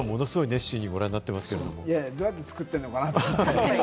どうやって作ってるのかなって。